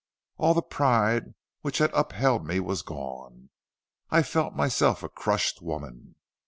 All the pride which had upheld me was gone. I felt myself a crushed woman.